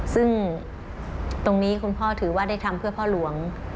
ซึ่งตรงนี้คุณพ่อถือว่าได้ทำเพื่อพ่อหลวง